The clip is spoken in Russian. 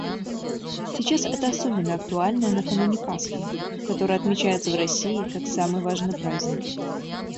Сейчас это особенно актуально накануне Пасхи, которая отмечается в России как самый важный праздник.